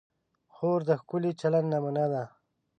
خور د ښکلي چلند نمونه ده.